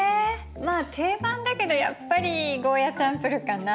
まあ定番だけどやっぱりゴーヤチャンプルーかな。